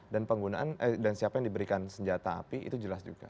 dan siapa yang diberikan senjata api itu jelas juga